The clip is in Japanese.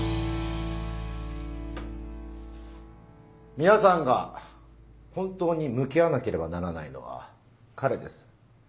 皆さんが本当に向き合わなければならないのは彼です。